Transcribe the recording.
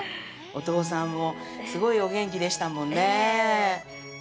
お父さんもすごいお元気でしたもんね。